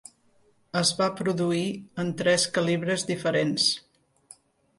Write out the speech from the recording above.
Es va produir en tres calibres diferents.